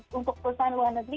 untuk perusahaan luar negeri